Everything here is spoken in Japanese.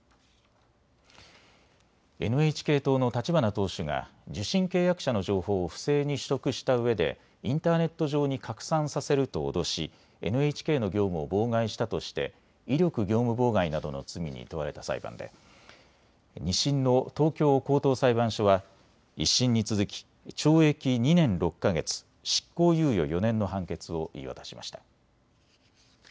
ＮＨＫ党の立花党首が受信契約者の情報を不正に取得したうえでインターネット上に拡散させると脅しＮＨＫの業務を妨害したとして威力業務妨害などの罪に問われた裁判で２審の東京高等裁判所は１審に続き懲役２年６か月、執行執行猶予４年の判決を言い渡しました。